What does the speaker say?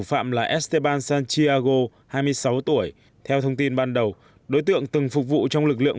phạm là steban santiago hai mươi sáu tuổi theo thông tin ban đầu đối tượng từng phục vụ trong lực lượng